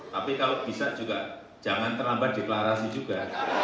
tapi kalau bisa juga jangan terlambat deklarasi juga